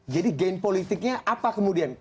jadi gain politiknya apa kemudian